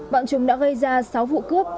bọn chúng đã gây ra sáu vụ cướp